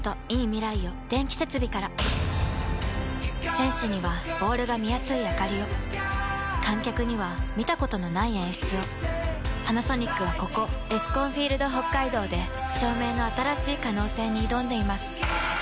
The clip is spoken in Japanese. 選手にはボールが見やすいあかりを観客には見たことのない演出をパナソニックはここエスコンフィールドＨＯＫＫＡＩＤＯで照明の新しい可能性に挑んでいます